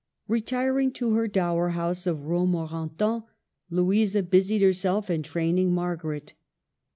Retiring to her dower house of Romorantin, Louisa busied herself in training Margaret.